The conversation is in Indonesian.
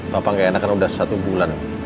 papa gak enakan udah satu bulan